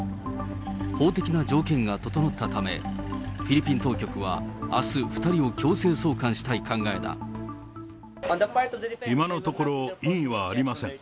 法的な条件が整ったため、フィリピン当局はあす、今のところ、異議はありません。